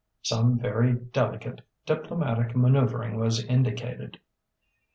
Some very delicate diplomatic manoeuvring was indicated....